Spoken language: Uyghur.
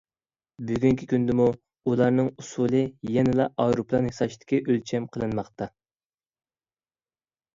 بۈگۈنكى كۈندىمۇ، ئۇلارنىڭ ئۇسۇلى يەنىلا ئايروپىلان ياساشتىكى ئۆلچەم قىلىنماقتا.